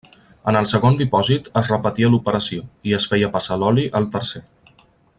En el segon dipòsit es repetia l’operació, i es feia passar l’oli al tercer.